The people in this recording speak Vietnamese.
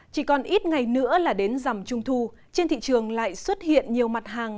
chỉ còn ít ngày nữa là đến rằm trung thu trên thị trường lại xuất hiện nhiều mặt hàng